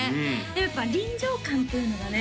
やっぱ臨場感っていうのがね